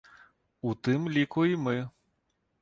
У тым ліку і мы.